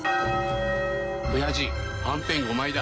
おやじはんぺん５枚だ。